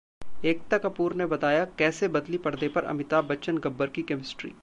एकता कपूर ने बताया- कैसे बदली पर्दे पर अमिताभ बच्चन-गब्बर की केमिस्ट्री